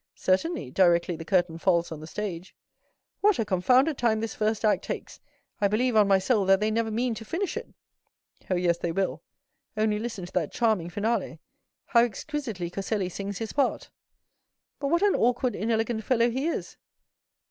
"Certainly, directly the curtain falls on the stage." "What a confounded long time this first act lasts. I believe, on my soul, that they never mean to finish it." "Oh, yes, they will; only listen to that charming finale. How exquisitely Coselli sings his part." "But what an awkward, inelegant fellow he is."